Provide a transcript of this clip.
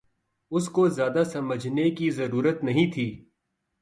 اس کو زیادہ سمجھنے کی ضرورت نہیں تھی